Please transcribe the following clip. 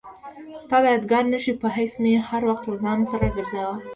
ستا د یادګار نښې په حیث مې هر وخت له ځان سره ګرځاوه.